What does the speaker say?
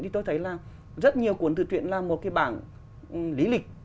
thì tôi thấy là rất nhiều cuốn tự truyện là một cái bảng lý lịch